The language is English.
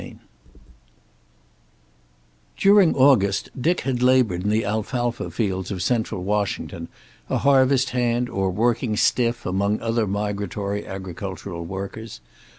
XXXVI During August Dick had labored in the alfalfa fields of Central Washington, a harvest hand or "working stiff" among other migratory agricultural workers.